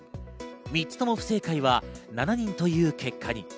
３つとも不正解は７人という結果に。